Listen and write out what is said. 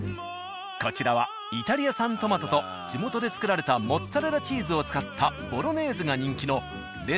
こちらはイタリア産トマトと地元で作られたモッツァレラチーズを使ったボロネーゼが人気のレストラン「あかくら」だが。